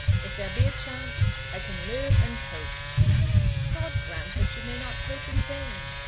If there be a chance, I can live and hope." "God grant that you may not hope in vain!"